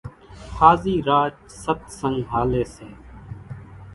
هازِي راچ ستسنڳ هاليَ سي۔